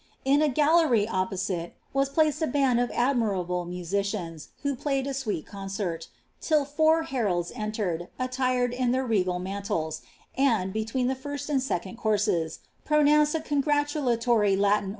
In a gallery op|)Osite. wH placed a band of admirable musicians, who pUycd a sweet ronrert, til) four heralds entered, attired in their regal msniles, and, between the firat ] and second cnursea, pronounced a conj^tulatory Latin